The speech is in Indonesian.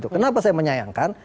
kenapa saya menyayangkan